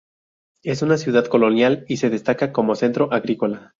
Es una ciudad colonial y se destaca como centro agrícola.